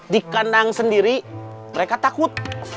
di kandang sendiri mereka takut